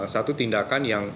satu tindakan yang